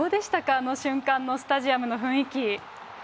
あの瞬間のスタジアムの雰囲気。